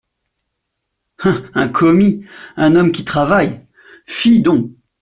Un commis, un homme qui travaille, fi donc !